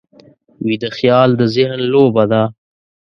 ویده خیال د ذهن لوبه ده